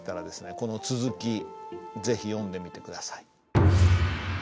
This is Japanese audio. この続き是非読んでみて下さい。